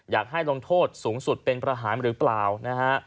อยากให้ลงโทษสูงสุดเป็นประหารหรือเปล่านะฮะ